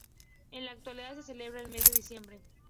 En la actualidad se celebra el mes de diciembre.